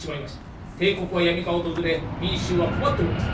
帝国は闇が訪れ民衆は困っております。